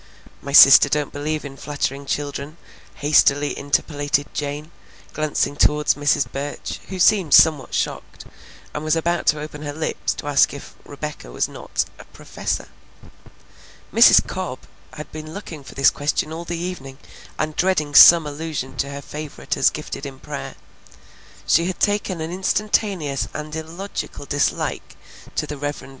"My sister don't believe in flattering children," hastily interpolated Jane, glancing toward Mrs. Burch, who seemed somewhat shocked, and was about to open her lips to ask if Rebecca was not a "professor." Mrs. Cobb had been looking for this question all the evening and dreading some allusion to her favorite as gifted in prayer. She had taken an instantaneous and illogical dislike to the Rev. Mr.